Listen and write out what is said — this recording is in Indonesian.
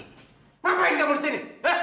ngapain kamu disini